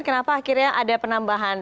kenapa akhirnya ada penambahan